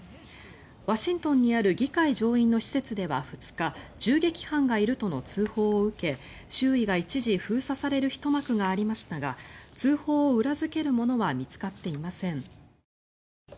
ワシントンにある議会上院の施設では２日銃撃犯がいるとの通報を受け周囲が一時封鎖されるひと幕がありましたが通報を裏付けるものは見つかっていません。